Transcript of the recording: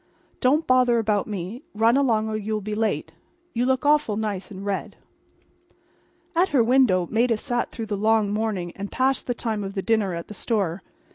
Don't bother about me. Run along or you'll be late. You look awful nice in red." At her window Maida sat through the long morning and past the time of the dinner at the store.